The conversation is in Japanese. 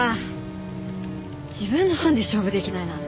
自分の本で勝負できないなんて